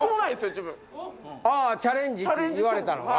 ああチャレンジって言われたのが？